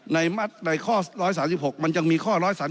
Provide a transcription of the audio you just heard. ในข้อ๑๓๖มันมีข้อ๑๓๗